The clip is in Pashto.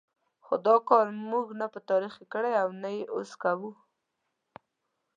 خو دا کار موږ نه په تاریخ کې کړی او نه یې اوس کوو.